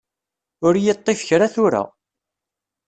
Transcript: Ur y-iṭṭif kra tura.